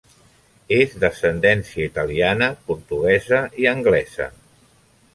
És d'ascendència italiana, portuguesa i anglesa.